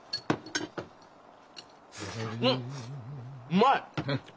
うまい！